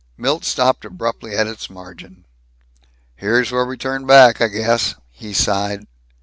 Milt stopped abruptly at its margin. "Here's where we turn back, I guess," he sighed.